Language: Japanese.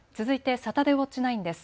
サタデーウオッチ９です。